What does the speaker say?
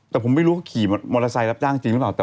แต่ผมไม่รู้เขาขี่มอเตอร์ไซค์รับจ้างจริงหรือเปล่า